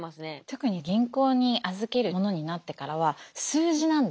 特に銀行に預けるものになってからは数字なんですよね。